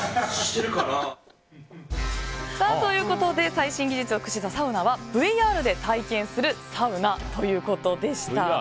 最新技術を駆使したサウナはＶＲで体験するサウナということでした。